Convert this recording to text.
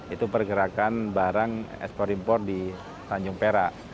itu pergerakan barang ekspor impor di tanjung perak